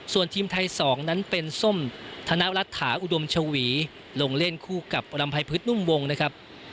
ส่วนทีมไทย๒นั้นเป็นส้มธนรัฐาอุดมชวีลงเล่นคู่กับรำภัยพฤษนุ่มวงนะครับ